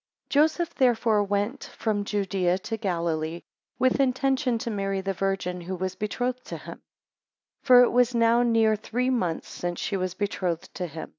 JOSEPH therefore went from Judaea to Galilee, with intention to marry the Virgin who was betrothed to him: 2 For it was now near three months since she was betrothed to him.